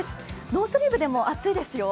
ノースリーブでも暑いですよ。